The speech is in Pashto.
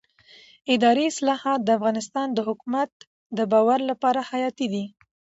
اداري اصلاحات د افغانستان د حکومت د باور لپاره حیاتي دي